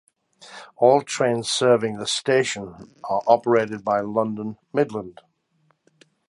All trains serving the station are operated by London Midland.